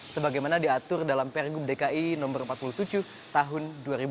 sebagaimana diatur dalam pergub dki no empat puluh tujuh tahun dua ribu dua puluh